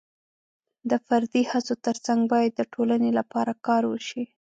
د فردي هڅو ترڅنګ باید د ټولنې لپاره کار وشي.